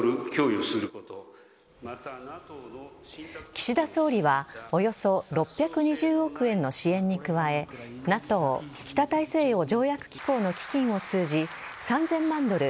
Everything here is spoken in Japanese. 岸田総理はおよそ６２０億円の支援に加えＮＡＴＯ＝北大西洋条約機構の基金を通じ３０００万ドル